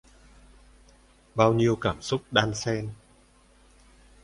Bao nhiêu cảm xúc đan xen